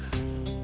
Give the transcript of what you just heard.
kasih tau saya